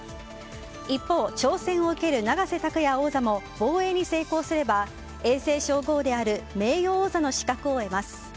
一方、挑戦を受ける永瀬拓矢王座も防衛に成功すれば永世称号である名誉王座の資格を得ます。